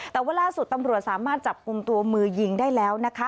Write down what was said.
แต่ว่าล่าสุดตำรวจสามารถจับกลุ่มตัวมือยิงได้แล้วนะคะ